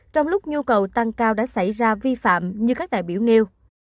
trong lúc nhu cầu tăng cao đã xảy ra vi phạm như các đại biểu nêu